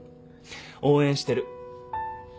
応援してる。